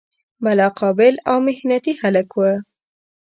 بلا قابل او محنتي هلک و.